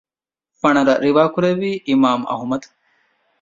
ފަނަރަ ރިވާކުރެއްވީ އިމާމު އަޙްމަދު